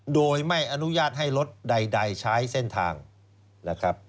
โดยไม่อนุญาตให้รถใดใช้เส้นทางนะครับ